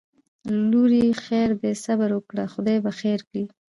لورې خیر دی صبر وکړه خدای به خیر کړي